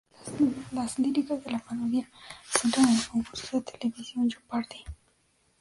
Las líricas de la parodia centran en el concurso de televisión "Jeopardy!